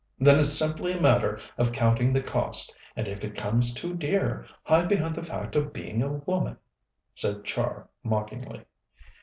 Then it's simply a matter of counting the cost, and if it comes too dear, hide behind the fact of being a woman!" said Char mockingly.